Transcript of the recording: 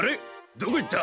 どこ行った？